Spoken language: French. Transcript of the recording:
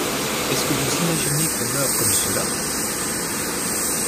Est-ce que vous vous imaginez qu’on meurt comme cela?